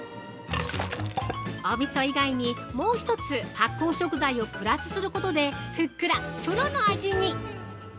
おみそ以外に、もう一つ発酵食材をプラスすることでふっくらプロの味に。